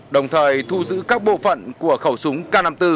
đồng thời thu giữ các bộ phận của khẩu súng k năm mươi bốn